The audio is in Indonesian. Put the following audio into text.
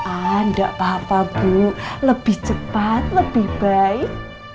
ada papa bu lebih cepat lebih baik